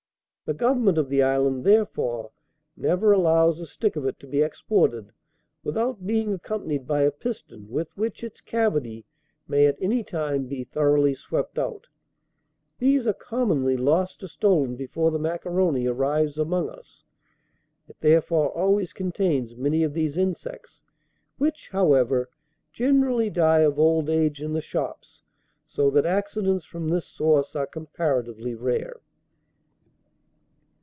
The government of the island, therefore, never allows a stick of it to be exported without being accompanied by a piston with which its cavity may at any time be thoroughly swept out. These are commonly lost or stolen before the macaroni arrives among us. It therefore always contains many of these insects, which, however, generally die of old age in the shops, so that accidents from this source are comparatively rare.